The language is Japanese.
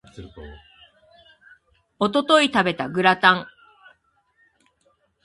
一昨日食べたグラタン